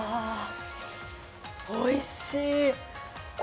おいしい。